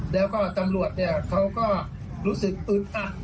แล้วก็ตำรวจเนี่ยเขาก็รู้สึกอึดอัด